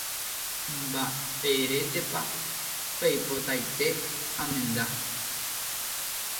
Mba'éretepa peipotaite amenda